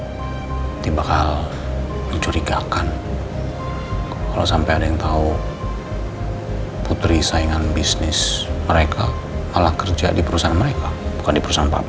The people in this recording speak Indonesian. ini bakal mencurigakan kalau sampai ada yang tahu putri saingan bisnis mereka malah kerja di perusahaan mereka bukan di perusahaan papan